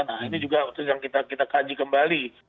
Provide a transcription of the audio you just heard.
nah ini juga sedang kita kaji kembali